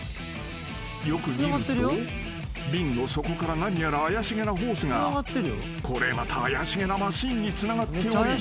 ［よく見ると瓶の底から何やら怪しげなホースがこれまた怪しげなマシンにつながっており］